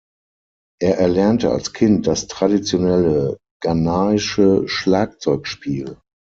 Er erlernte als Kind das traditionelle ghanaische Schlagzeugspiel.